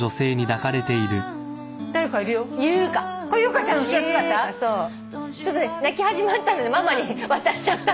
ちょっと泣き始まったのでママに渡しちゃったの。